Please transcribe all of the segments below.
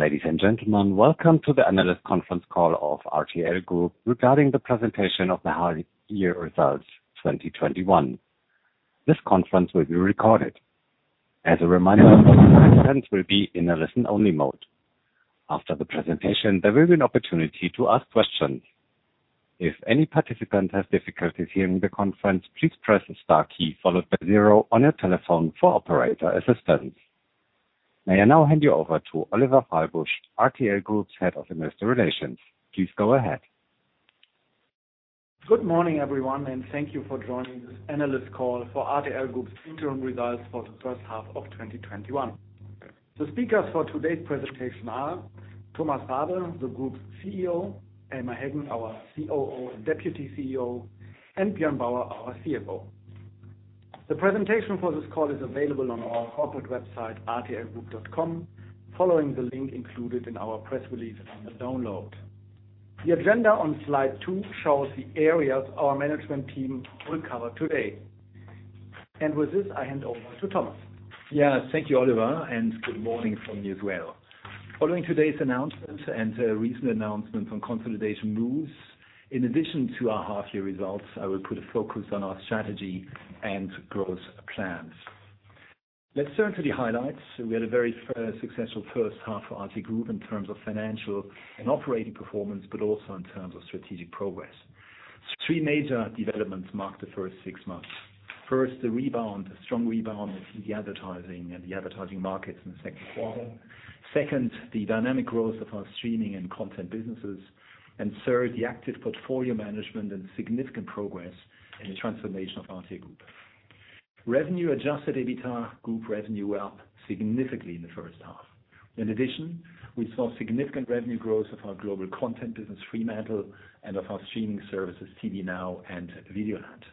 Ladies and gentlemen, welcome to the analyst conference call of RTL Group regarding the presentation of the half year results 2021. This conference will be recorded. As a reminder, all participants will be in a listen-only mode. After the presentation, there will be an opportunity to ask questions. If any participant has difficulties hearing the conference, please press the star key followed by zero on your telephone for operator assistance. May I now hand you over to Oliver Fahlbusch, RTL Group's head of investor relations. Please go ahead. Good morning, everyone. Thank you for joining this analyst call for RTL Group's interim results for the first half of 2021. The speakers for today's presentation are Thomas Rabe, the Group's CEO, Elmar Heggen, our COO and Deputy CEO, and Björn Bauer, our CFO. The presentation for this call is available on our corporate website, rtlgroup.com, following the link included in our press release under Download. The agenda on slide two shows the areas our management team will cover today. With this, I hand over to Thomas. Yes. Thank you, Oliver, and good morning from me as well. Following today's announcement and recent announcements on consolidation moves, in addition to our half year results, I will put a focus on our strategy and growth plans. Let's turn to the highlights. We had a very successful first half for RTL Group in terms of financial and operating performance, but also in terms of strategic progress. Three major developments marked the first six months. First, a strong rebound in the advertising and the advertising markets in the second quarter. Second, the dynamic growth of our streaming and content businesses. Third, the active portfolio management and significant progress in the transformation of RTL Group. Revenue adjusted EBITDA Group revenue were up significantly in the first half. In addition, we saw significant revenue growth of our global content business, Fremantle, and of our streaming services, TVNOW and Videoland.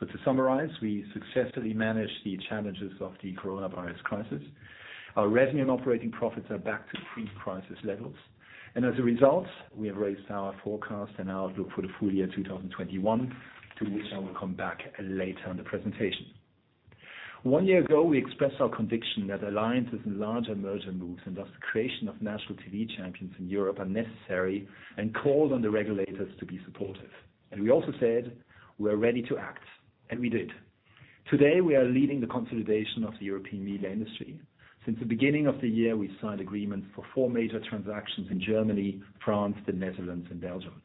To summarize, we successfully managed the challenges of the coronavirus crisis. Our revenue and operating profits are back to pre-crisis levels, and as a result, we have raised our forecast and outlook for the full year 2021, to which I will come back later in the presentation. One year ago, we expressed our conviction that alliances and larger merger moves, and thus the creation of national TV champions in Europe, are necessary and called on the regulators to be supportive. We also said we're ready to act, and we did. Today, we are leading the consolidation of the European media industry. Since the beginning of the year, we've signed agreements for four major transactions in Germany, France, the Netherlands, and Belgium.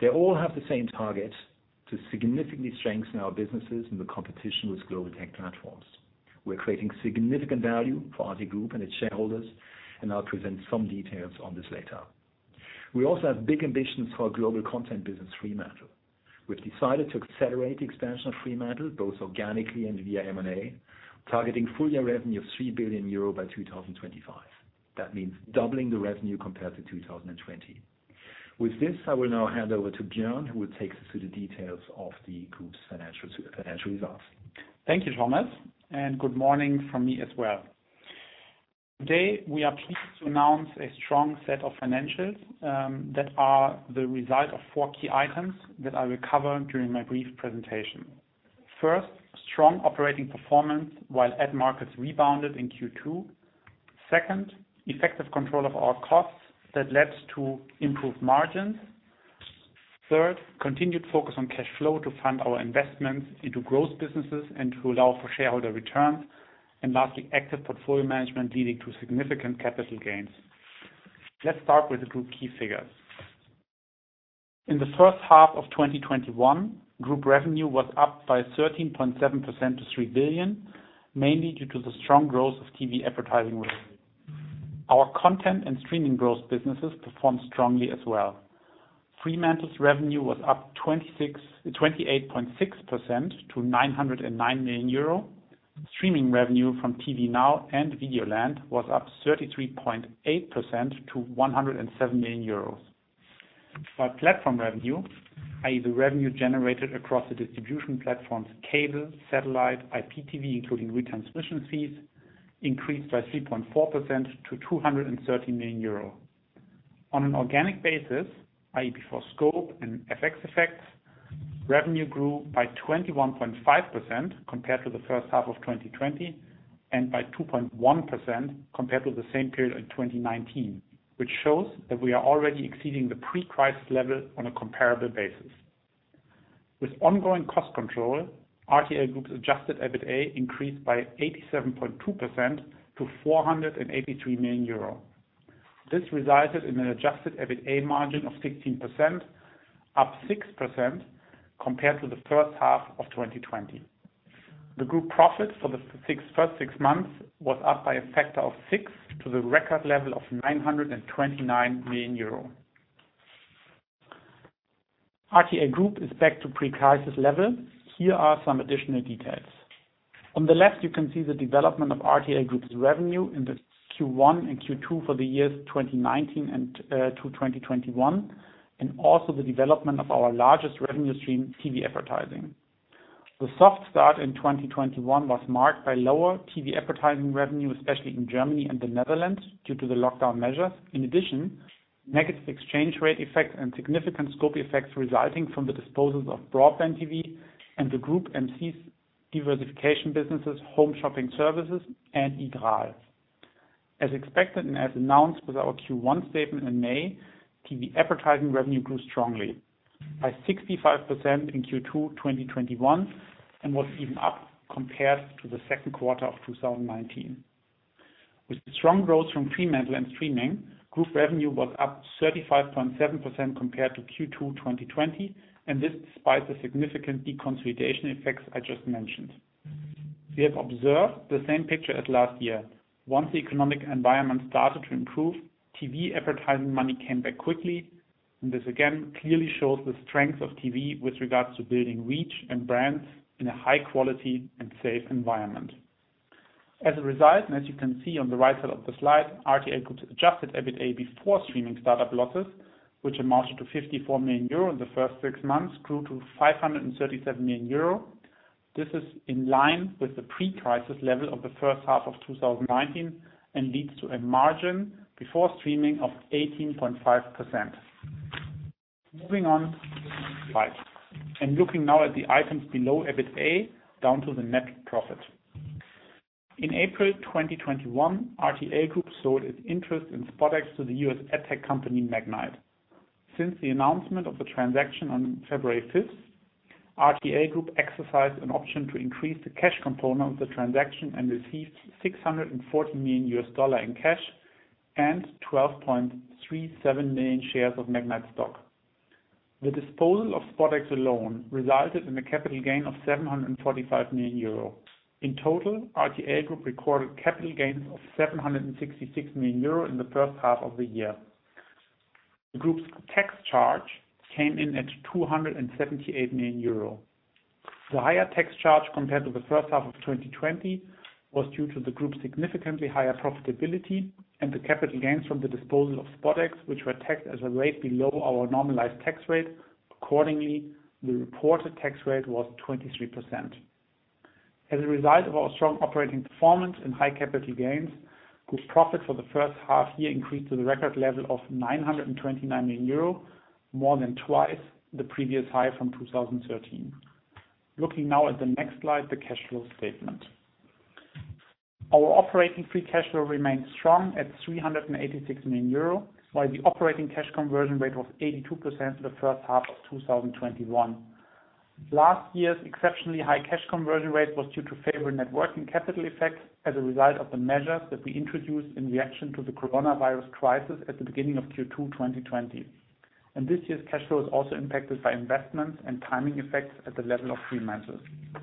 They all have the same target: to significantly strengthen our businesses in the competition with global tech platforms. We're creating significant value for RTL Group and its shareholders, and I'll present some details on this later. We also have big ambitions for our global content business, Fremantle. We've decided to accelerate the expansion of Fremantle, both organically and via M&A, targeting full-year revenue of 3 billion euro by 2025. That means doubling the revenue compared to 2020. With this, I will now hand over to Björn, who will take us through the details of the Group's financial results. Thank you, Thomas, and good morning from me as well. Today, we are pleased to announce a strong set of financials that are the result of four key items that I will cover during my brief presentation. First, strong operating performance, while ad markets rebounded in Q2. Second, effective control of our costs that led to improved margins. Third, continued focus on cash flow to fund our investments into growth businesses and to allow for shareholder returns. Lastly, active portfolio management leading to significant capital gains. Let's start with the group key figures. In the first half of 2021, group revenue was up by 13.7% to 3 billion, mainly due to the strong growth of TV advertising revenue. Our content and streaming growth businesses performed strongly as well. Fremantle's revenue was up 28.6% to 909 million euro. Streaming revenue from TVNOW and Videoland was up 33.8% to 107 million euros. By platform revenue, i.e., the revenue generated across the distribution platforms cable, satellite, IPTV, including retransmission fees, increased by 3.4% to 230 million euro. On an organic basis, i.e., before scope and FX effects, revenue grew by 21.5% compared to the first half of 2020 and by 2.1% compared to the same period in 2019, which shows that we are already exceeding the pre-crisis level on a comparable basis. With ongoing cost control, RTL Group's adjusted EBITA increased by 87.2% to 483 million euro. This resulted in an adjusted EBITA margin of 16%, up 6% compared to the first half of 2020. The group profit for the first six months was up by a factor of six to the record level of 929 million euro. RTL Group is back to pre-crisis level. Here are some additional details. On the left, you can see the development of RTL Group's revenue in the Q1 and Q2 for the years 2019 to 2021, and also the development of our largest revenue stream, TV advertising. The soft start in 2021 was marked by lower TV advertising revenue, especially in Germany and the Netherlands, due to the lockdown measures, in addition to negative exchange rate effects and significant scope effects resulting from the disposals of BroadbandTV and the Groupe M6's diversification businesses, Home Shopping Service, and iGraal. As expected, and as announced with our Q1 statement in May, TV advertising revenue grew strongly by 65% in Q2 2021, and was even up compared to the second quarter of 2019. With strong growth from Fremantle and streaming, Group revenue was up 35.7% compared to Q2 2020, this despite the significant deconsolidation effects I just mentioned. We have observed the same picture as last year. Once the economic environment started to improve, TV advertising money came back quickly, and this again, clearly shows the strength of TV with regards to building reach and brands in a high quality and safe environment. As a result, and as you can see on the right side of the slide, RTL Group's adjusted EBITA before streaming startup losses, which amounted to 54 million euro in the first six months, grew to 537 million euro. This is in line with the pre-crisis level of the first half of 2019, and leads to a margin before streaming of 18.5%. Moving on to the next slide. Looking now at the items below EBITA, down to the net profit. In April 2021, RTL Group sold its interest in SpotX to the U.S. AdTech company, Magnite. Since the announcement of the transaction on February 5th, RTL Group exercised an option to increase the cash component of the transaction and received $640 million in cash and 12.37 million shares of Magnite stock. The disposal of SpotX alone resulted in a capital gain of 745 million euros. In total, RTL Group recorded capital gains of 766 million euros in the first half of the year. The Group's tax charge came in at 278 million euros. The higher tax charge compared to the first half of 2020 was due to the Group's significantly higher profitability and the capital gains from the disposal of SpotX, which were taxed as a rate below our normalized tax rate. Accordingly, the reported tax rate was 23%. As a result of our strong operating performance and high capital gains, Group profit for the first half year increased to the record level of 929 million euro, more than twice the previous high from 2013. Looking now at the next slide, the cash flow statement. Our operating free cash flow remains strong at 386 million euro, while the operating cash conversion rate was 82% for the first half of 2021. Last year's exceptionally high cash conversion rate was due to favorable net working capital effects as a result of the measures that we introduced in reaction to the COVID-19 at the beginning of Q2 2020. This year's cash flow is also impacted by investments and timing effects at the level of Fremantle. The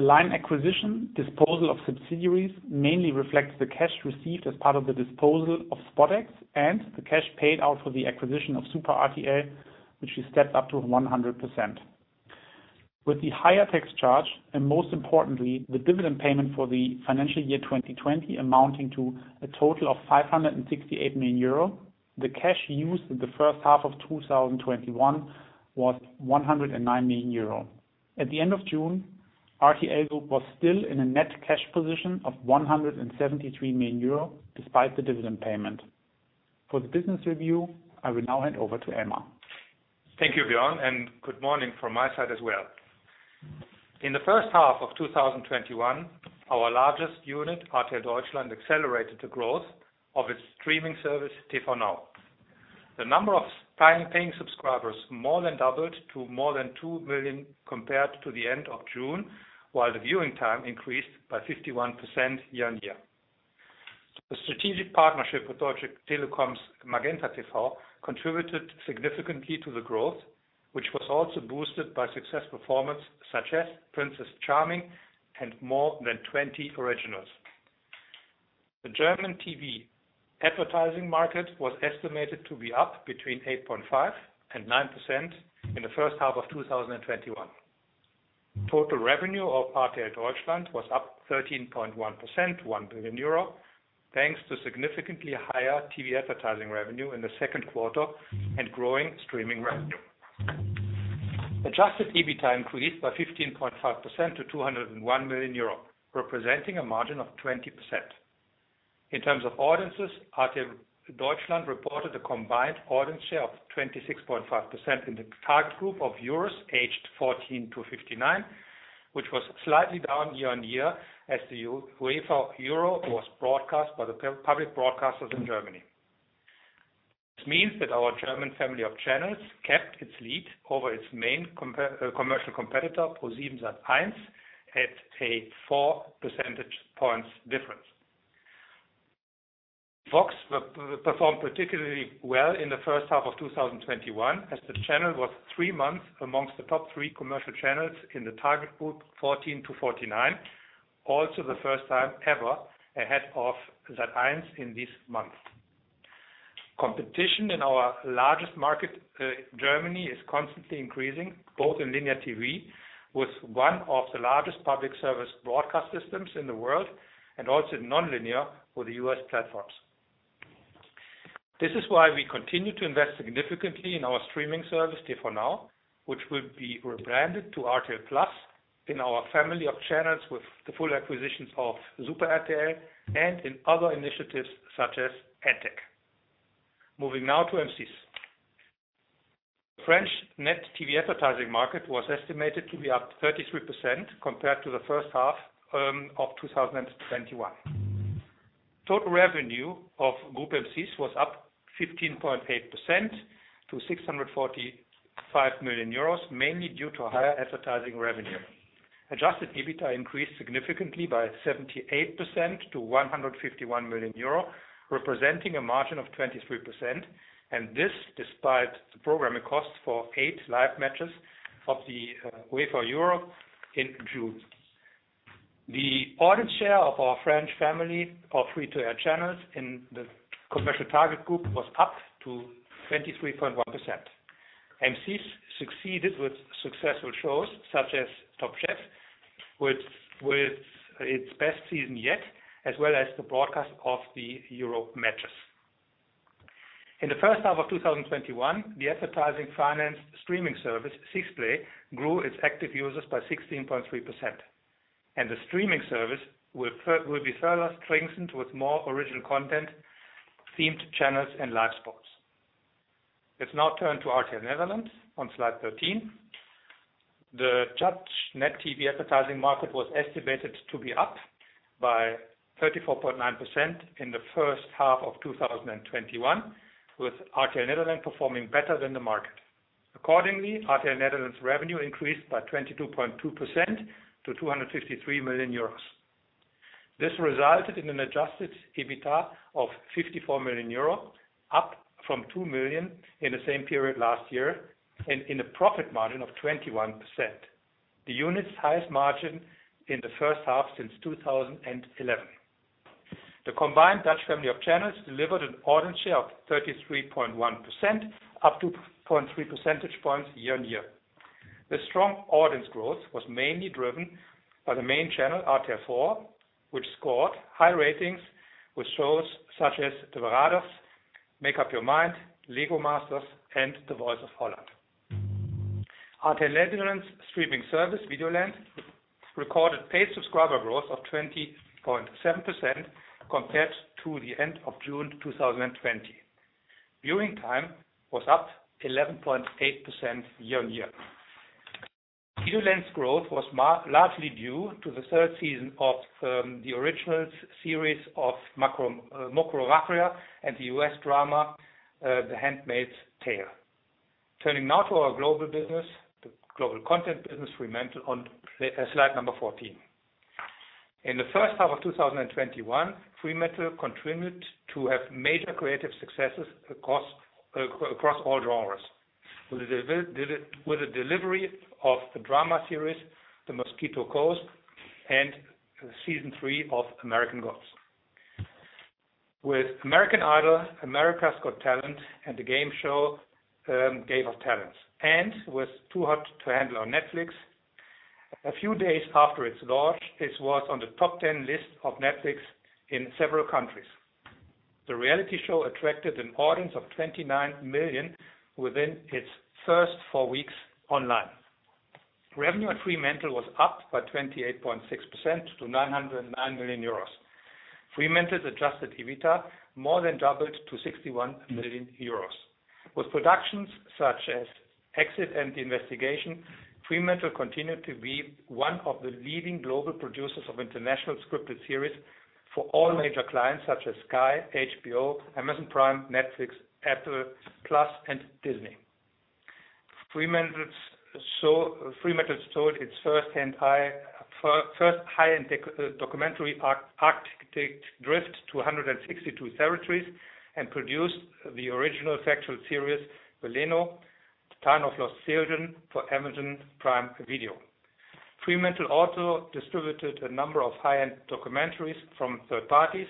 line acquisition, disposal of subsidiaries, mainly reflects the cash received as part of the disposal of SpotX and the cash paid out for the acquisition of Super RTL, which is stepped up to 100%. With the higher tax charge, and most importantly, the dividend payment for the financial year 2020 amounting to a total of 568 million euro, the cash used in the first half of 2021 was 109 million euro. At the end of June, RTL Group was still in a net cash position of 173 million euro, despite the dividend payment. For the business review, I will now hand over to Emma. Thank you, Björn, and good morning from my side as well. In the first half of 2021, our largest unit, RTL Deutschland, accelerated the growth of its streaming service, TVNOW. The number of paying subscribers more than doubled to more than two million compared to the end of June, while the viewing time increased by 51% year-on-year. The strategic partnership with Deutsche Telekom's MagentaTV contributed significantly to the growth, which was also boosted by success performance such as "Princess Charming" and more than 20 originals. The German TV advertising market was estimated to be up between 8.5% and 9% in the first half of 2021. Total revenue of RTL Deutschland was up 13.1%, 1 billion euro, thanks to significantly higher TV advertising revenue in the second quarter and growing streaming revenue. Adjusted EBITA increased by 15.5% to 201 million euro, representing a margin of 20%. In terms of audiences, RTL Deutschland reported a combined audience share of 26.5% in the target group of viewers aged 14-59, which was slightly down year-on-year as the UEFA Euro was broadcast by the public broadcasters in Germany. This means that our German family of channels kept its lead over its main commercial competitor, ProSiebenSat.1, at a four percentage points difference. VOX performed particularly well in the first half of 2021, as the channel was three months amongst the top three commercial channels in the target group 14-49. Also, the first time ever ahead of ProSiebenSat.1 in this month. Competition in our largest market, Germany, is constantly increasing, both in linear TV with one of the largest public service broadcast systems in the world, and also in non-linear with the U.S. platforms. This is why we continue to invest significantly in our streaming service, TVNOW, which will be rebranded to RTL+, in our family of channels with the full acquisitions of Super RTL and in other initiatives such as AdTech. Moving now to M6. French net TV advertising market was estimated to be up 33% compared to the first half of 2021. Total revenue of Groupe M6 was up 15.8% to 645 million euros, mainly due to higher advertising revenue. Adjusted EBITA increased significantly by 78% to 151 million euro, representing a margin of 23%. This despite the programming cost for eight live matches of the UEFA Euro in June. The audience share of our French family of free-to-air channels in the commercial target group was up to 23.1%. M6 succeeded with successful shows such as "Top Chef," with its best season yet, as well as the broadcast of the Europe matches. In the first half of 2021, the advertising finance streaming service 6play grew its active users by 16.3%. The streaming service will be further strengthened with more original content, themed channels, and live sports. Let's now turn to RTL Nederland on slide 13. The Dutch net TV advertising market was estimated to be up by 34.9% in the first half of 2021, with RTL Nederland performing better than the market. Accordingly, RTL Nederland revenue increased by 22.2% to 253 million euros. This resulted in an adjusted EBITA of 54 million euros, up from 2 million in the same period last year, and in a profit margin of 21%. The unit's highest margin in the first half since 2011. The combined Dutch family of channels delivered an audience share of 33.1%, up 2.3 percentage points year-on-year. The strong audience growth was mainly driven by the main channel, RTL 4, which scored high ratings with shows such as "De Verraders," "Make Up Your Mind," "LEGO Masters," and "The Voice of Holland." RTL Nederland streaming service Videoland recorded paid subscriber growth of 20.7% compared to the end of June 2020. Viewing time was up 11.8% year-on-year. Videoland's growth was largely due to the third season of the original series of "Mocro Maffia" and the U.S. drama, "The Handmaid's Tale." Turning now to our global business, the global content business, Fremantle, on slide number 14. In the first half of 2021, Fremantle continued to have major creative successes across all genres. With the delivery of the drama series, "The Mosquito Coast," and season three of "American Gods." With "American Idol," "America's Got Talent," and the game show, "Game of Talents," and with "Too Hot to Handle" on Netflix. A few days after its launch, it was on the top 10 list of Netflix in several countries. The reality show attracted an audience of 29 million within its first four weeks online. Revenue at Fremantle was up by 28.6% to 909 million euros. Fremantle's adjusted EBITA more than doubled to 61 million euros. With productions such as "Exit" and "The Investigation," Fremantle continued to be one of the leading global producers of international scripted series for all major clients such as Sky, HBO, Amazon Prime, Netflix, Apple+, and Disney. Fremantle sold its first high-end documentary, "Arctic Drift," to 162 territories and produced the original factual series, "Veleno: The Town of Lost Children," for Amazon Prime Video. Fremantle also distributed a number of high-end documentaries from third parties,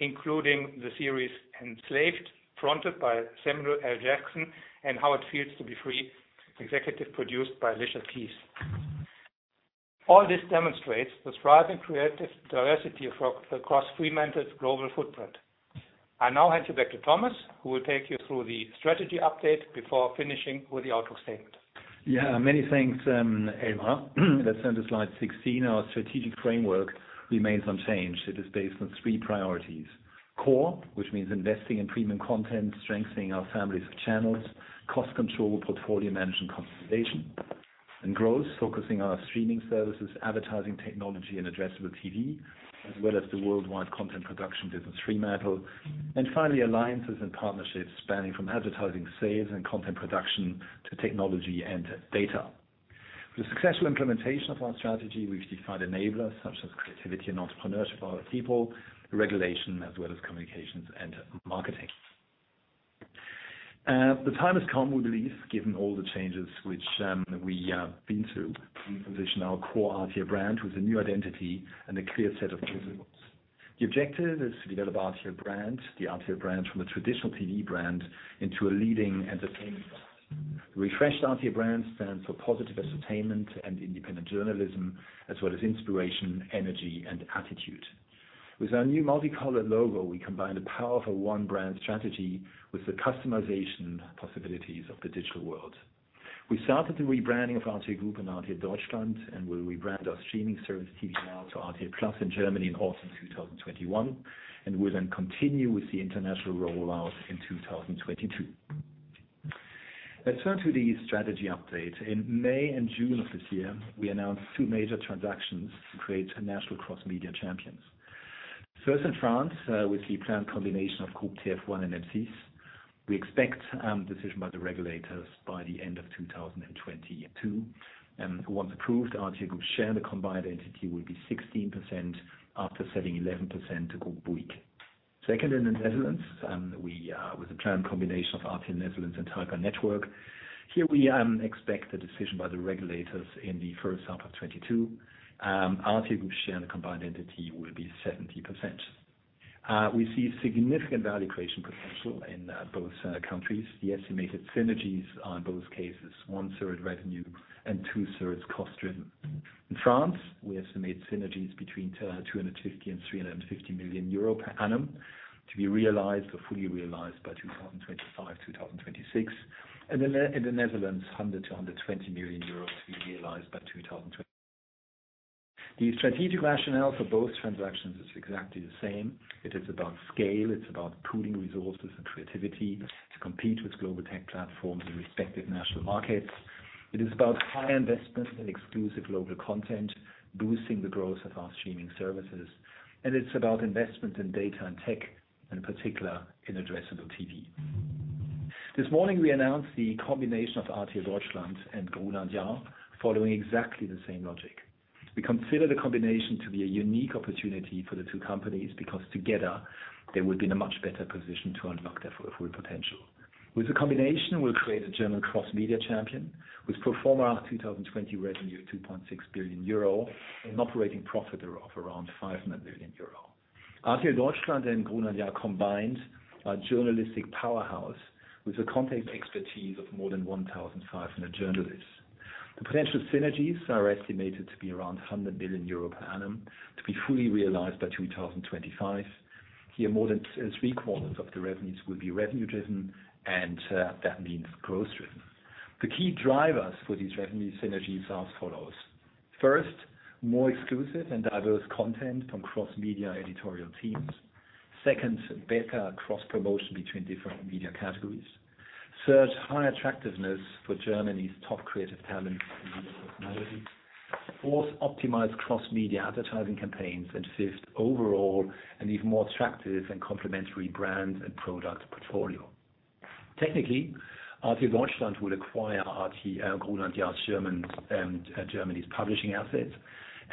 including the series, "Enslaved," fronted by Samuel L. Jackson, and "How It Feels To Be Free," executive produced by Alicia Keys. All this demonstrates the thriving creative diversity across Fremantle's global footprint. I now hand you back to Thomas, who will take you through the strategy update before finishing with the outlook statement. Many thanks, Elmar. Let's turn to slide 16. Our strategic framework remains unchanged. It is based on three priorities. Core, which means investing in premium content, strengthening our families of channels, cost control, portfolio management, consolidation. Growth, focusing on our streaming services, advertising technology, and addressable TV, as well as the worldwide content production business, Fremantle. Finally, Alliances and Partnerships spanning from advertising sales and content production to technology and data. For the successful implementation of our strategy, we've defined enablers such as creativity and entrepreneurship of our people, regulation, as well as communications and marketing. The time has come, we believe, given all the changes which we have been through, to reposition our core RTL brand with a new identity and a clear set of deliverables. The objective is to develop the RTL brand from a traditional TV brand into a leading entertainment brand. The refreshed RTL brand stands for positive entertainment and independent journalism, as well as inspiration, energy, and attitude. With our new multicolored logo, we combine the powerful one brand strategy with the customization possibilities of the digital world. We started the rebranding of RTL Group and RTL Deutschland, and we will rebrand our streaming service TVNOW to RTL+ in Germany in fall 2021, and we will then continue with the international rollout in 2022. Let's turn to the strategy update. In May and June of this year, we announced two major transactions to create national cross-media champions. First, in France, with the planned combination of Groupe TF1 and M6. We expect a decision by the regulators by the end of 2022, and once approved, RTL Group's share in the combined entity will be 16% after selling 11% to Groupe Bouygues. Second, in the Netherlands, with the planned combination of RTL Nederland and Talpa Network. Here, we expect a decision by the regulators in the first half of 2022. RTL Group's share in the combined entity will be 70%. We see significant value creation potential in both countries. The estimated synergies are, in both cases, 1/3 revenue and 2/3 cost-driven. In France, we estimate synergies between 250 million and 350 million euro per annum to be realized or fully realized by 2025, 2026. In the Netherlands, 100 million-120 million euros to be realized by 2024. The strategic rationale for both transactions is exactly the same. It is about scale. It's about pooling resources and creativity to compete with global tech platforms in respective national markets. It is about high investments in exclusive global content, boosting the growth of our streaming services, and it's about investment in data and tech, in particular, in addressable TV. This morning, we announced the combination of RTL Deutschland and Gruner + Jahr following exactly the same logic. We consider the combination to be a unique opportunity for the two companies, because together they will be in a much better position to unlock their full potential. With the combination, we'll create a German cross-media champion with pro forma 2020 revenue of 2.6 billion euro and operating profit of around 500 million euro. RTL Deutschland and Gruner + Jahr combined are a journalistic powerhouse with a content expertise of more than 1,500 journalists. The potential synergies are estimated to be around 100 million euro per annum to be fully realized by 2025. Here, more than three-quarters of the revenues will be revenue driven, and that means growth driven. The key drivers for these revenue synergies as follows. First, more exclusive and diverse content from cross-media editorial teams. Second, better cross-promotion between different media categories. Third, high attractiveness for Germany's top creative talent and media personalities. Fourth, optimized cross-media advertising campaigns. Fifth, overall, an even more attractive and complementary brand and product portfolio. Technically, RTL Deutschland will acquire Gruner + Jahr's Germany's publishing assets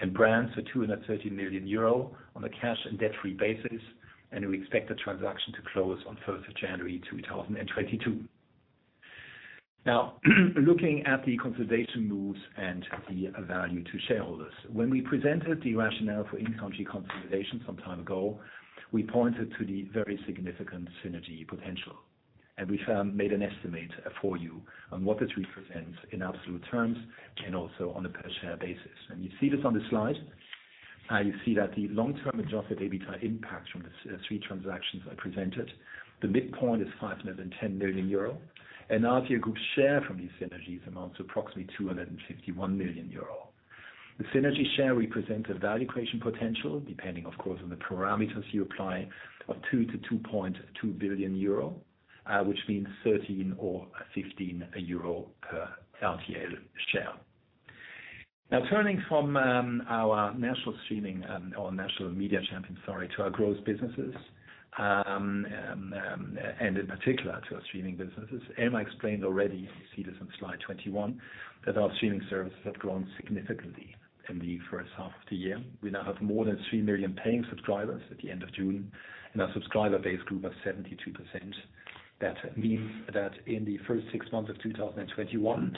and brands for 230 million euro on a cash and debt-free basis, and we expect the transaction to close on 1st of January 2022. Now, looking at the consolidation moves and the value to shareholders. When we presented the rationale for in-country consolidation some time ago, we pointed to the very significant synergy potential, we made an estimate for you on what this represents in absolute terms and also on a per share basis. You see this on the slide. You see that the long-term adjusted EBITDA impact from the three transactions I presented. The midpoint is more than 510 million euro, RTL Group's share from these synergies amounts to approximately 251 million euro. The synergy share represents a value creation potential, depending, of course, on the parameters you apply, of 2 billion-2.2 billion euro, which means 13 million or 15 million euro per RTL share. Now turning from our national media champion to our growth businesses, and in particular to our streaming businesses. Elmar explained already, you see this on slide 21, that our streaming services have grown significantly in the first half of the year. We now have more than three million paying subscribers at the end of June, and our subscriber base grew by 72%. That means that in the first six months of 2021,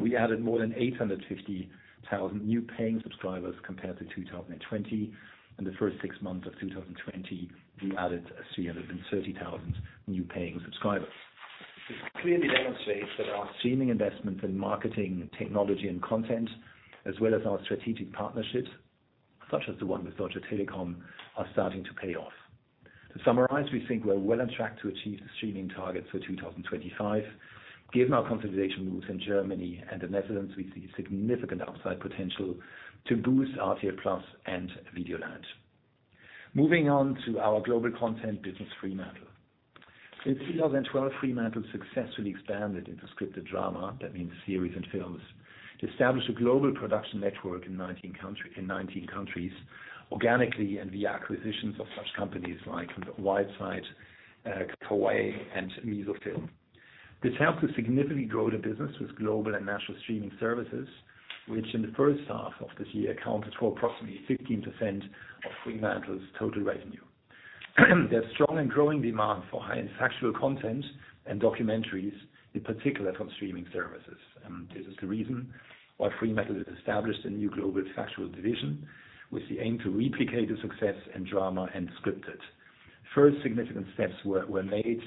we added more than 850,000 new paying subscribers compared to 2020. In the first six months of 2020, we added 330,000 new paying subscribers. This clearly demonstrates that our streaming investments in marketing, technology, and content, as well as our strategic partnerships, such as the one with Deutsche Telekom, are starting to pay off. To summarize, we think we're well on track to achieve the streaming targets for 2025. Given our consolidation moves in Germany and the Netherlands, we see significant upside potential to boost RTL+ and Videoland. Moving on to our global content business, Fremantle. Since 2012, Fremantle successfully expanded into scripted drama, that means series and films. Established a global production network in 19 countries organically and via acquisitions of such companies like Wildside, Coyote and Miso Film. This helped to significantly grow the business with global and national streaming services, which in the first half of this year accounted for approximately 15% of Fremantle's total revenue. There is strong and growing demand for high-end factual content and documentaries, in particular from streaming services. This is the reason why Fremantle has established a new global factual division with the aim to replicate the success in drama and scripted. First significant steps were made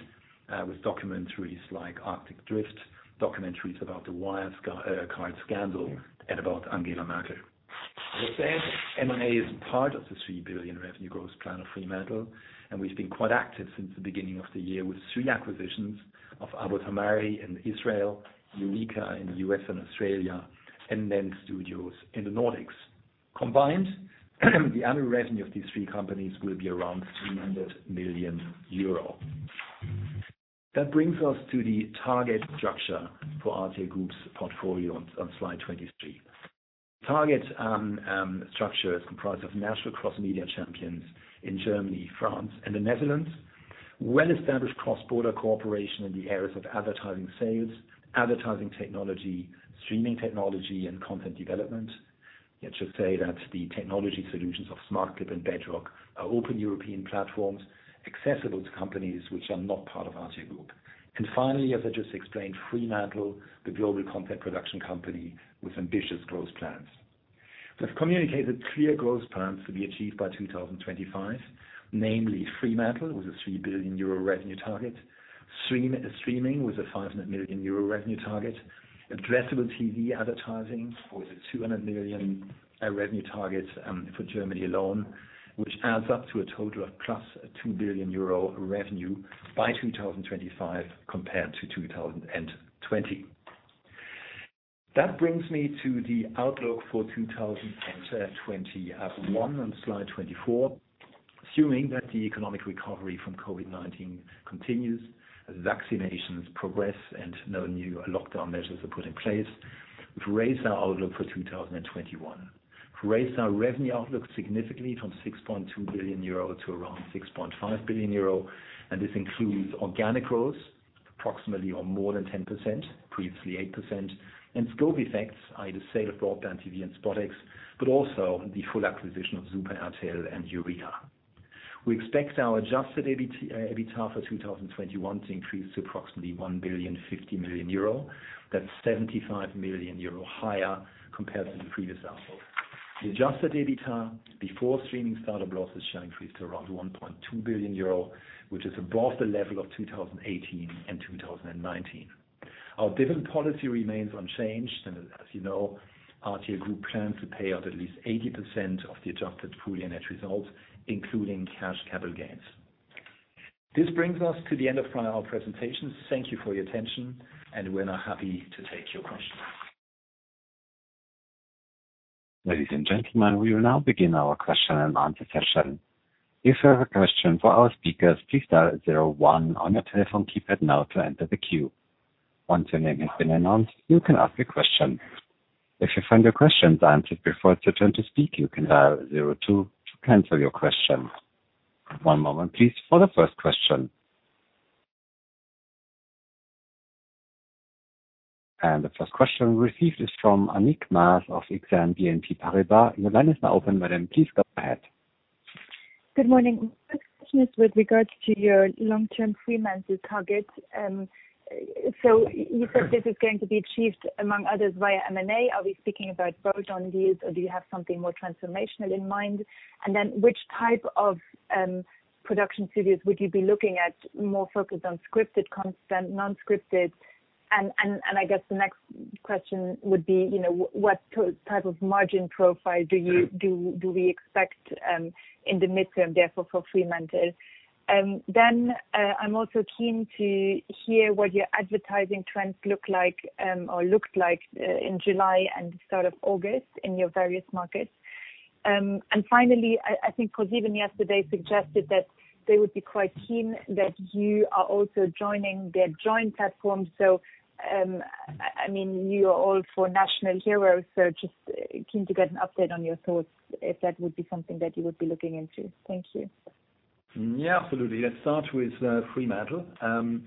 with documentaries like "Arctic Drift," documentaries about the Wirecard scandal, and about Angela Merkel. As I said, M&A is part of the 3 billion revenue growth plan of Fremantle, and we've been quite active since the beginning of the year with three acquisitions of Abot Hameiri in Israel, Eureka in the U.S. and Australia, and NENT Studios in the Nordics. Combined, the annual revenue of these three companies will be around 200 million euro. That brings us to the target structure for RTL Group's portfolio on slide 23. Target structure is comprised of national cross-media champions in Germany, France, and the Netherlands. Well-established cross-border cooperation in the areas of advertising sales, advertising technology, streaming technology, and content development. Let's just say that the technology solutions of smartclip and Bedrock are open European platforms, accessible to companies which are not part of RTL Group. Finally, as I just explained, Fremantle, the global content production company with ambitious growth plans. We have communicated clear growth plans to be achieved by 2025, namely Fremantle with a 3 billion euro revenue target, streaming with a 500 million euro revenue target, addressable TV advertising with a 200 million revenue target for Germany alone, which adds up to a total of +2 billion euro revenue by 2025 compared to 2020. That brings me to the outlook for 2021 on slide 24. Assuming that the economic recovery from COVID-19 continues, as vaccinations progress and no new lockdown measures are put in place, we've raised our outlook for 2021. We've raised our revenue outlook significantly from 6.2 billion euro to around 6.5 billion euro. This includes organic growth, approximately or more than 10%, previously 8%, and scope effects are the sale of BroadbandTV and SpotX, but also the full acquisition of Super RTL and Eureka. We expect our adjusted EBITDA for 2021 to increase to approximately 1 billion-50 million euro. That's 75 million euro higher compared to the previous outlook. The adjusted EBITDA before streaming startup losses shall increase to around 1.2 billion euro, which is above the level of 2018 and 2019. Our dividend policy remains unchanged, and as you know, RTL Group plans to pay out at least 80% of the adjusted full-year net results, including cash capital gains. This brings us to the end of our presentation. Thank you for your attention, and we're now happy to take your questions. Ladies and gentlemen, we will now begin our question and answer session. If you have a question for our speakers press zero one on your telephone keypad to enter the queue. Once anything announced, you can ask a question. If you find you question answered before you speak, you can dial zero two to cancel your question. One moment please for the first question. The first question received is from Annick Maas of Exane BNP Paribas. Your line is now open, madam. Please go ahead. Good morning. My first question is with regards to your long-term Fremantle target. You said this is going to be achieved, among others, via M&A. Are we speaking about bolt-on deals, or do you have something more transformational in mind? Which type of production studios would you be looking at, more focused on scripted content, non-scripted? I guess the next question would be, what type of margin profile do we expect, in the midterm, therefore, for Fremantle? I'm also keen to hear what your advertising trends look like, or looked like in July and the start of August in your various markets. Finally, I think because even yesterday suggested that they would be quite keen that you are also joining their joint platform. You are all for national heroes, so just keen to get an update on your thoughts, if that would be something that you would be looking into. Thank you. Yeah, absolutely. Let's start with Fremantle.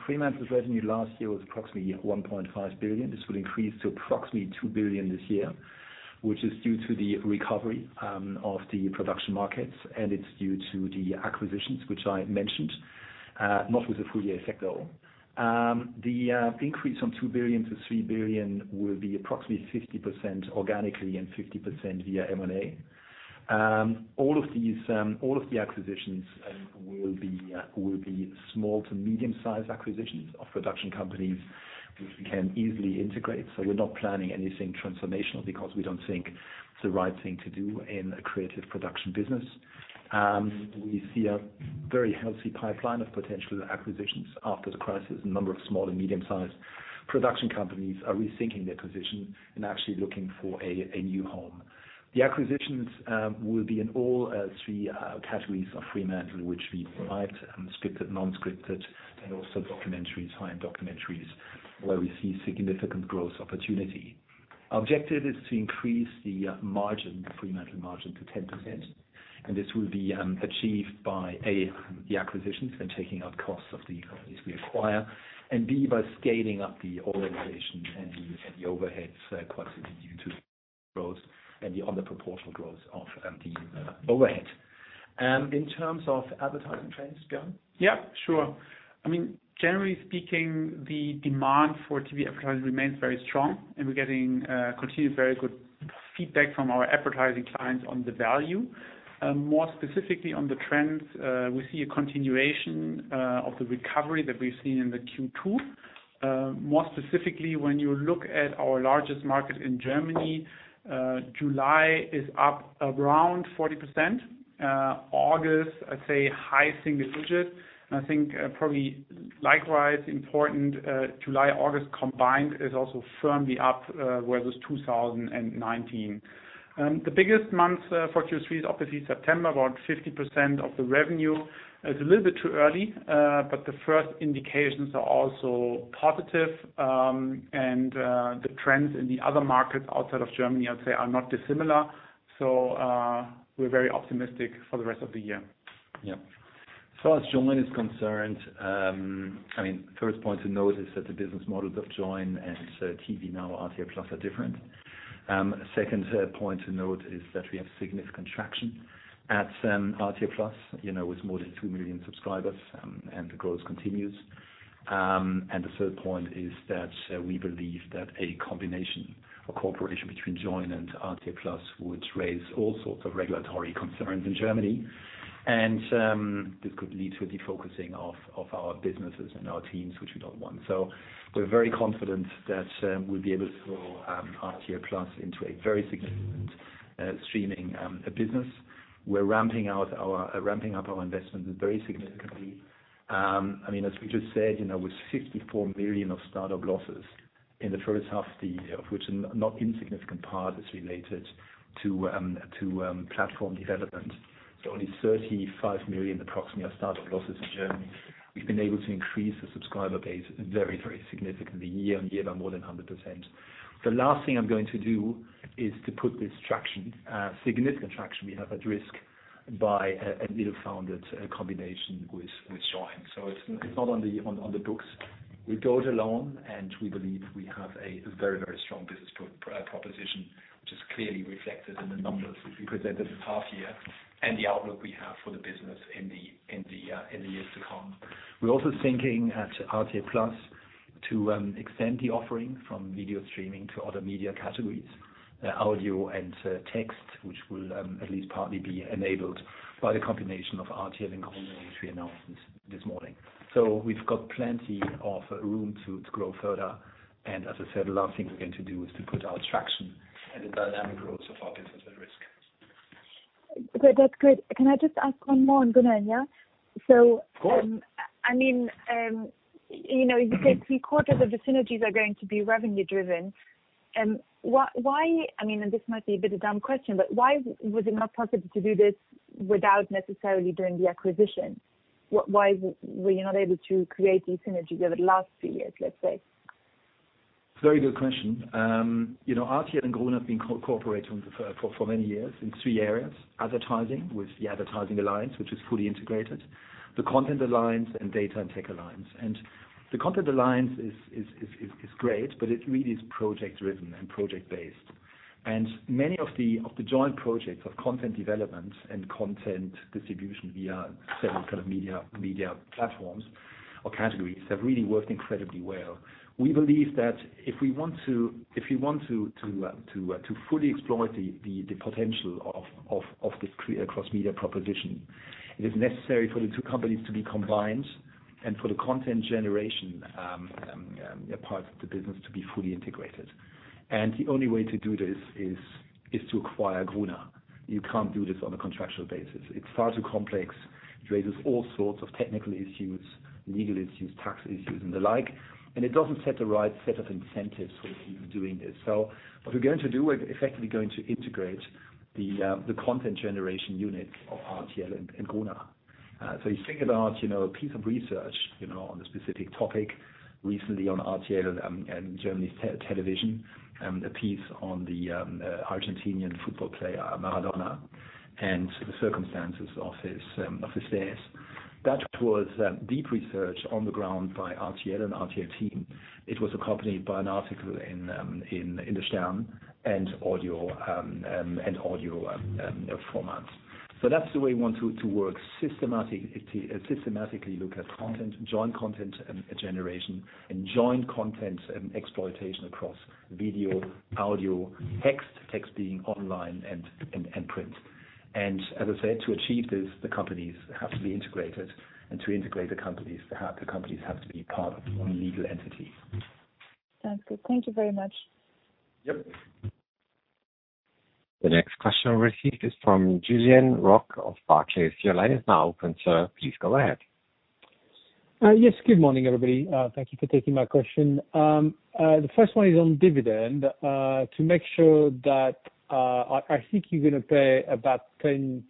Fremantle's revenue last year was approximately 1.5 billion. This will increase to approximately 2 billion this year, which is due to the recovery of the production markets, and it's due to the acquisitions, which I mentioned, not with a full year effect, though. The increase from 2 billion-3 billion will be approximately 50% organically and 50% via M&A. All of the acquisitions will be small to medium-sized acquisitions of production companies which we can easily integrate. We're not planning anything transformational because we don't think it's the right thing to do in a creative production business. We see a very healthy pipeline of potential acquisitions after the crisis. A number of small and medium-sized production companies are rethinking their position and actually looking for a new home. The acquisitions will be in all three categories of Fremantle, which we provide scripted, non-scripted, and also documentaries, high-end documentaries, where we see significant growth opportunity. Our objective is to increase the margin, the Fremantle margin, to 10%, this will be achieved by, A, the acquisitions and taking out costs of the companies we acquire, and B, by scaling up the organization and the overheads, quite simply due to growth and the other proportional growth of the overhead. In terms of advertising trends, Björn? Yeah, sure. Generally speaking, the demand for TV advertising remains very strong, and we're getting continued very good feedback from our advertising clients on the value. More specifically on the trends, we see a continuation of the recovery that we've seen in the Q2. More specifically, when you look at our largest market in Germany, July is up around 40%. August, I'd say high single digits. I think probably likewise important, July, August combined is also firmly up versus 2019. The biggest month for Q3 is obviously September, about 50% of the revenue. It's a little bit too early, but the first indications are also positive, and the trends in the other markets outside of Germany, I'd say, are not dissimilar. We're very optimistic for the rest of the year. As far as Joyn is concerned, first point to note is that the business models of Joyn and TVNOW RTL+ are different. Second point to note is that we have significant traction at RTL+, with more than two million subscribers, and the growth continues. The third point is that we believe that a combination or cooperation between Joyn and RTL+ would raise all sorts of regulatory concerns in Germany. This could lead to a defocusing of our businesses and our teams, which we don't want. We're very confident that we'll be able to grow RTL+ into a very significant streaming business. We're ramping up our investments very significantly. As we just said, with 54 million of start-up losses in the first half of the year, of which a not insignificant part is related to platform development. Only 35 million approximately are start-up losses in Germany. We've been able to increase the subscriber base very significantly, year-on-year by more than 100%. The last thing I'm going to do is to put this significant traction we have at risk by a ill-founded combination with Joyn. It's not on the books. We go it alone, and we believe we have a very strong business proposition, which is clearly reflected in the numbers we presented this half year and the outlook we have for the business in the years to come. We're also thinking at RTL+ to extend the offering from video streaming to other media categories, audio and text, which will at least partly be enabled by the combination of RTL and Gruner + Jahr, which we announced this morning. We've got plenty of room to grow further. As I said, the last thing we're going to do is to put our traction and the dynamic growth of our business at risk. Good. That's great. Can I just ask one more on Gruner, yeah? Of course. You said three-quarters of the synergies are going to be revenue driven. This might be a bit of a dumb question, but why was it not possible to do this without necessarily doing the acquisition? Why were you not able to create these synergies over the last few years, let's say? Very good question. RTL and Gruner have been cooperating for many years in three areas: advertising, with the advertising alliance, which is fully integrated; the content alliance; and data and tech alliance. The content alliance is great, but it really is project driven and project based. Many of the joint projects of content development and content distribution via several kind of media platforms or categories have really worked incredibly well. We believe that if we want to fully exploit the potential of this cross-media proposition, it is necessary for the two companies to be combined and for the content generation part of the business to be fully integrated. The only way to do this is to acquire Gruner. You can't do this on a contractual basis. It's far too complex. It raises all sorts of technical issues, legal issues, tax issues, and the like, and it doesn't set the right set of incentives for the people doing this. What we're going to do, we're effectively going to integrate the content generation unit of RTL Group and Gruner + Jahr. You think about a piece of research on a specific topic, recently on RTL Deutschland and Germany's television, a piece on the Argentinian football player, Maradona, and the circumstances of his death. That was deep research on the ground by RTL Deutschland and RTL Deutschland team. It was accompanied by an article in "Der Stern" and audio formats. That's the way we want to work systematically, look at joint content generation and joint content exploitation across video, audio, text being online and print. As I said, to achieve this, the companies have to be integrated. To integrate the companies, the companies have to be part of one legal entity. Sounds good. Thank you very much. Yep. The next question received is from Julien Roch of Barclays. Your line is now open, sir. Please go ahead. Yes. Good morning, everybody. Thank you for taking my question. The first one is on dividend. I think you're going to pay about 10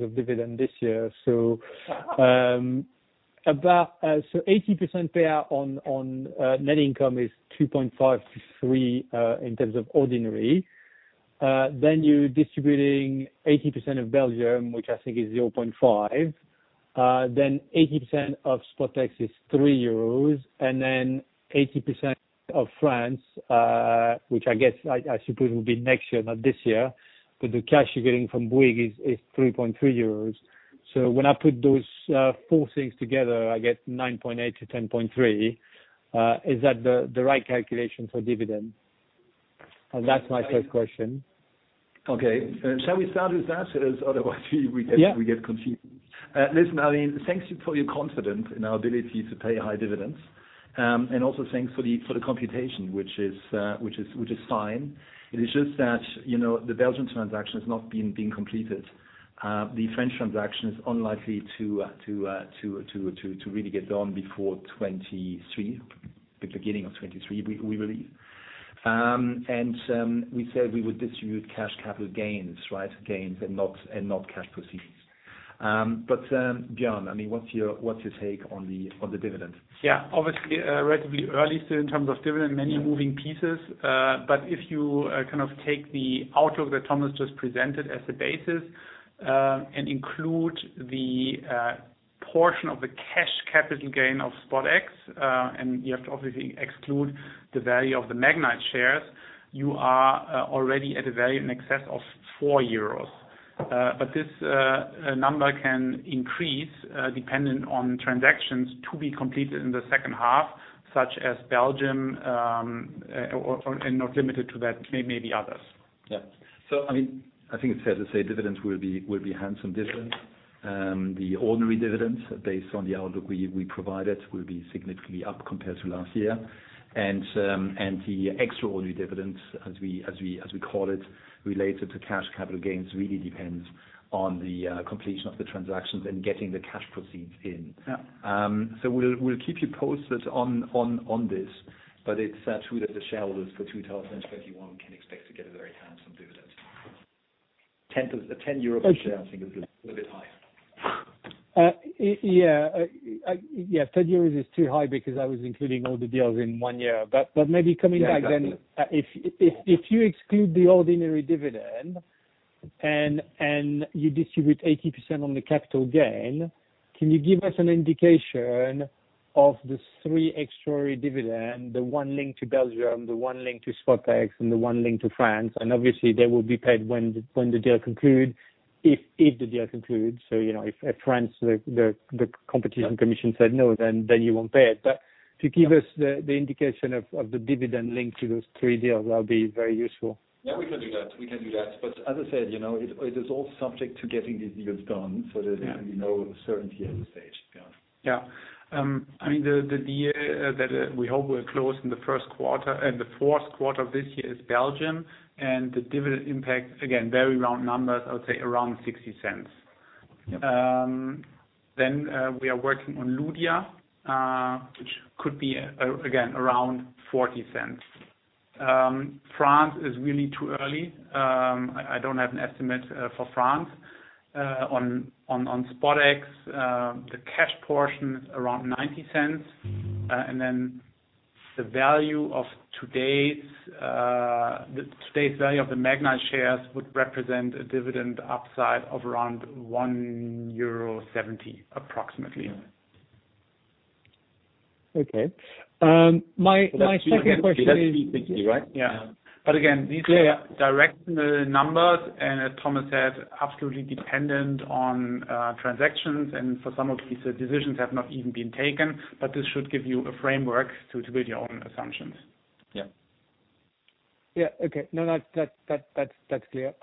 of dividend this year. 80% payout on net income is 2.53 in terms of ordinary. You're distributing 80% of Belgium, which I think is 0.5. 80% of SpotX is 3 euros, and then 80% of France, which I suppose will be next year, not this year, but the cash you're getting from Bouygues is 3.3 euros. When I put those four things together, I get 9.8 million-10.3 million. Is that the right calculation for dividend? That's my first question. Okay. Shall we start with that? Because otherwise. Yeah get confused. Listen, Annick, thank you for your confidence in our ability to pay high dividends. Also thanks for the computation, which is fine. It is just that the Belgium transaction has not been completed. The French transaction is unlikely to really get done before 2023, the beginning of 2023, we believe. We said we would distribute cash capital gains, right? Gains and not cash proceeds. Björn, what's your take on the dividend? Yeah. Obviously, relatively early still in terms of dividend, many moving pieces. If you take the outlook that Thomas just presented as the basis and include the portion of the cash capital gain of SpotX, and you have to obviously exclude the value of the Magnite shares, you are already at a value in excess of 4 euros. This number can increase dependent on transactions to be completed in the second half, such as Belgium, and not limited to that, maybe others. Yeah. I think it's fair to say dividends will be handsome dividends. The ordinary dividends based on the outlook we provided will be significantly up compared to last year. The extraordinary dividends, as we call it, related to cash capital gains, really depends on the completion of the transactions and getting the cash proceeds in. Yeah. We'll keep you posted on this, but it's true that the shareholders for 2021 can expect to get a very handsome dividend. A 10 euros per share I think is a bit high. Yeah. 10 euros is too high because I was including all the deals in one year. Yeah, exactly. if you exclude the ordinary dividend and you distribute 80% on the capital gain, can you give us an indication of the three extraordinary dividend, the one linked to Belgium, the one linked to SpotX and the one linked to France? Obviously they will be paid when the deal conclude, if the deal conclude. If France, the competition commission said, "No," then you won't pay it. To give us the indication of the dividend linked to those three deals, that would be very useful. Yeah, we can do that. As I said, it is all subject to getting these deals done, so there can be no certainty at this stage, Björn. Yeah. The deal that we hope will close in the fourth quarter of this year is Belgium. The dividend impact, again, very round numbers, I would say around 0.60. Yep. We are working on Ludia, which could be, again, around 0.40. France is really too early. I don't have an estimate for France. On SpotX, the cash portion is around 0.90. Today's value of the Magnite shares would represent a dividend upside of around EUR 1.70, approximately. Okay. My second question. That's three, right? Yeah. Again, these are directional numbers, and as Thomas said, absolutely dependent on transactions, and for some of these, the decisions have not even been taken, but this should give you a framework to build your own assumptions. Yeah. Yeah, okay. No, that's clear.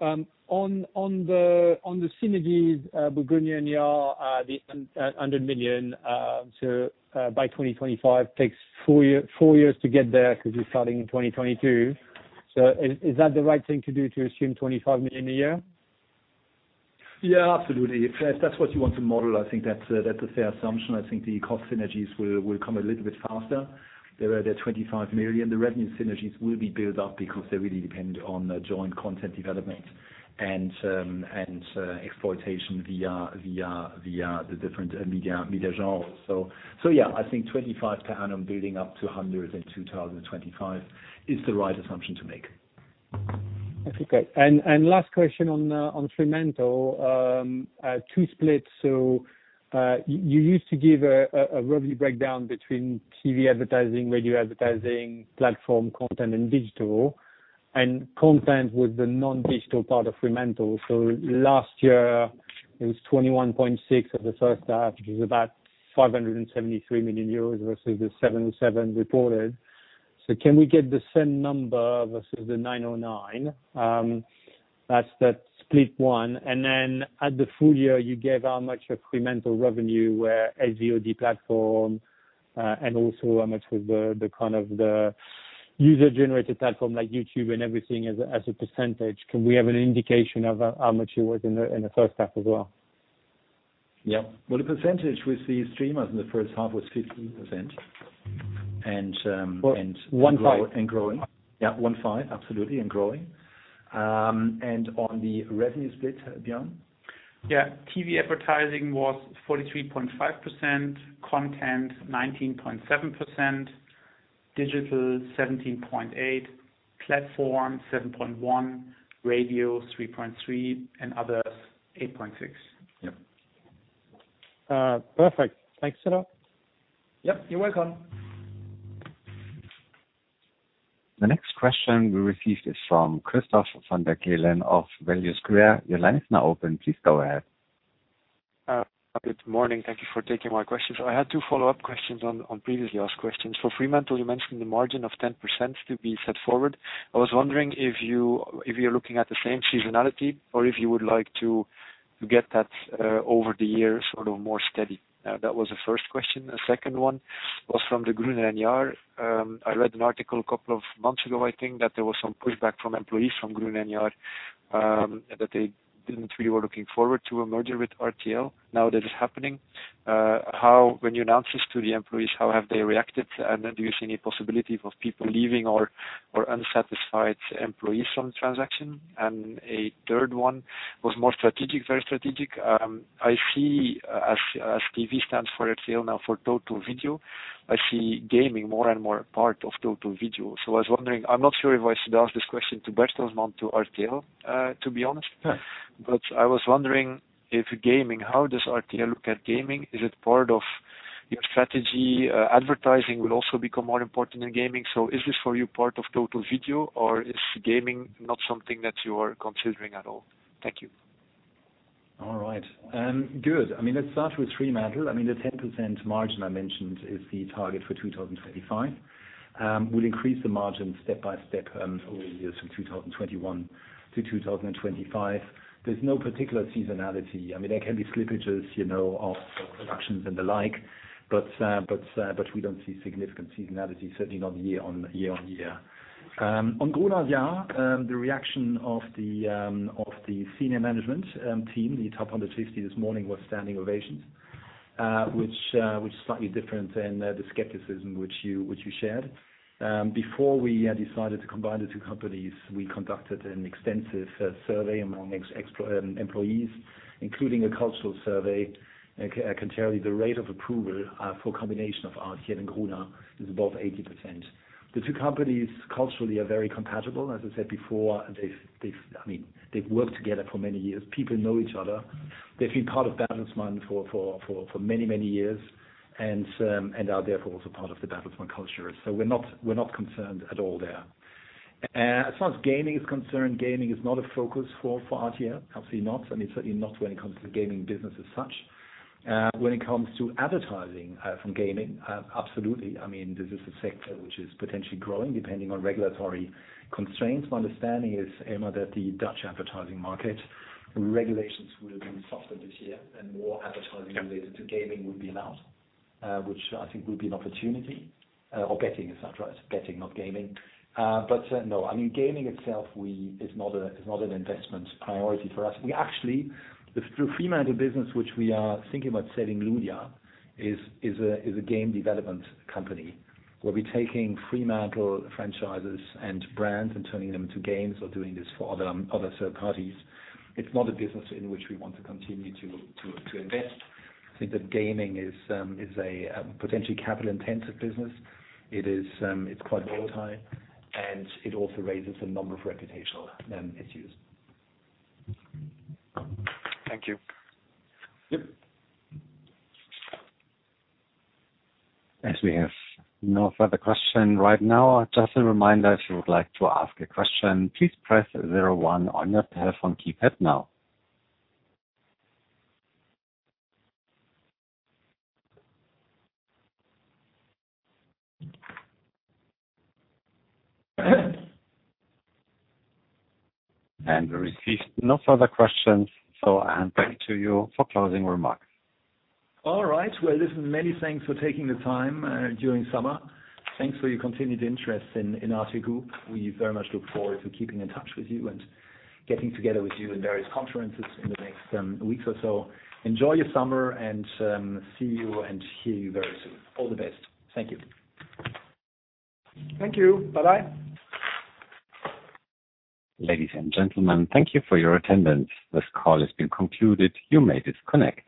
On the synergies, Bouygues and YA, the 100 million to by 2025 takes four years to get there because it's starting in 2022. Is that the right thing to do to assume 25 million a year? Absolutely. If that's what you want to model, I think that's a fair assumption. I think the cost synergies will come a little bit faster. They are 25 million. The revenue synergies will be built up because they really depend on joint content development and exploitation via the different media genres. I think 25 million per annum building up to 100 million in 2025 is the right assumption to make. That's okay. Last question on Fremantle. Two splits. You used to give a revenue breakdown between TV advertising, radio advertising, platform content and digital. Content was the non-digital part of Fremantle. Last year it was 21.6% of the first half, which is about 573 million euros versus the 707 million reported. Can we get the same number versus the 909 million? That's that split one. At the full year, you gave how much of Fremantle revenue were SVOD platform, and also how much was the user-generated platform like YouTube and everything as a percentage. Can we have an indication of how much it was in the first half as well? Yeah. Well, the percentage with the streamers in the first half was 15%. Well, 15%. growing. Yeah, 15%, absolutely, and growing. On the revenue split, Björn? Yeah. TV advertising was 43.5%, content 19.7%, digital 17.8%, platform 7.1%, radio 3.3%, and others 8.6%. Yep. Perfect. Thanks a lot. Yep, you're welcome. The next question we received is from Christophe Van der Kelen of Value Square. Your line is now open. Please go ahead. Good morning. Thank you for taking my questions. I had two follow-up questions on previously asked questions. For Fremantle, you mentioned the margin of 10% to be set forward. I was wondering if you're looking at the same seasonality or if you would like to get that over the years, sort of more steady. That was the first question. The second one was from the Gruner + Jahr. I read an article a couple of months ago, I think, that there was some pushback from employees from Gruner + Jahr that they didn't really were looking forward to a merger with RTL. Now that it's happening, when you announce this to the employees, how have they reacted? Do you see any possibility of people leaving or unsatisfied employees from transaction? A third one was more strategic, very strategic. As TV stands for RTL now for total video, I see gaming more and more a part of total video. I was wondering, I'm not sure if I should ask this question to Bertelsmann to RTL, to be honest. Yeah. I was wondering if gaming, how does RTL look at gaming? Is it part of your strategy? Advertising will also become more important in gaming. Is this for you part of total video, or is gaming not something that you are considering at all? Thank you. All right. Good. Let's start with Fremantle. The 10% margin I mentioned is the target for 2025. We'll increase the margin step by step over the years from 2021 to 2025. There's no particular seasonality. There can be slippages of productions and the like, but we don't see significant seasonality, certainly not year-on-year. On Gruner + Jahr, the reaction of the senior management team, the Top 150 this morning was standing ovations, which is slightly different than the skepticism which you shared. Before we decided to combine the two companies, we conducted an extensive survey among ex-employees, including a cultural survey. I can tell you the rate of approval for combination of RTL and Gruner is above 80%. The two companies culturally are very compatible. As I said before, they've worked together for many years. People know each other. They've been part of Bertelsmann for many, many years, and are therefore also part of the Bertelsmann culture. We're not concerned at all there. As far as gaming is concerned, gaming is not a focus for RTL. Absolutely not, and certainly not when it comes to the gaming business as such. When it comes to advertising from gaming, absolutely. This is a sector which is potentially growing depending on regulatory constraints. My understanding is, Elmar, that the Dutch advertising market regulations will be softer this year and more advertising related to gaming will be allowed, which I think will be an opportunity. Or betting, is that right? Betting, not gaming. No, gaming itself is not an investment priority for us. We actually, through Fremantle business, which we are thinking about selling Ludia, is a game development company, where we're taking Fremantle franchises and brands and turning them to games or doing this for other third parties. It's not a business in which we want to continue to invest. I think that gaming is a potentially capital-intensive business. It's quite volatile, and it also raises a number of reputational issues. Thank you. Yep. As we have no further question right now, just a reminder, if you would like to ask a question, please press zero one on your telephone keypad now. We received no further questions, so I hand back to you for closing remarks. All right. Well, listen, many thanks for taking the time during summer. Thanks for your continued interest in RTL Group. We very much look forward to keeping in touch with you and getting together with you in various conferences in the next weeks or so. Enjoy your summer, and see you and hear you very soon. All the best. Thank you. Thank you. Bye-bye. Ladies and gentlemen, thank you for your attendance. This call has been concluded. You may disconnect.